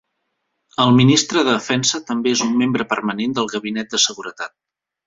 El ministre de Defensa també és un membre permanent del gabinet de seguretat.